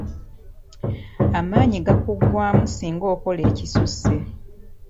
Amaanyi gakuggwaamu singa okola ekisusse.